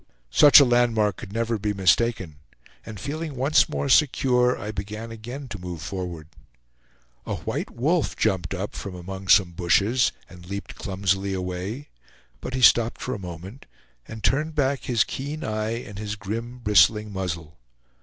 Such a landmark could never be mistaken, and feeling once more secure, I began again to move forward. A white wolf jumped up from among some bushes, and leaped clumsily away; but he stopped for a moment, and turned back his keen eye and his grim bristling muzzle.